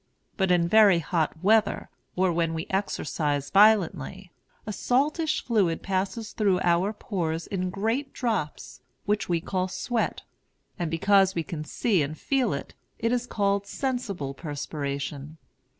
But in very hot weather, or when we exercise violently, a saltish fluid passes through our pores in great drops, which we call sweat; and because we can see and feel it, it is called sensible perspiration.